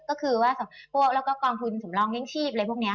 ก็คือพวกเราก็กองทุนสำรองเลี้ยงชีพอะไรพวกเนี่ยค่ะ